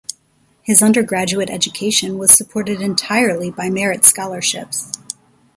His undergraduate education was supported entirely by merit scholarships.